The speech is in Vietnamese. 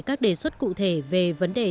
các đề xuất cụ thể về vấn đề